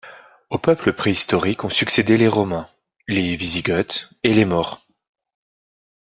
Aux peuples préhistoriques ont succédé les Romains, les Wisigoths et les Maures.